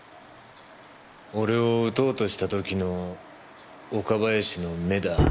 俺を撃とうとした時の岡林の目だ。